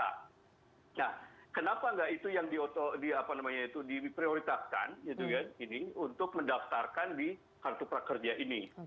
nah kenapa nggak itu yang di prioritaskan gitu kan ini untuk mendaftarkan di kartu pekerja ini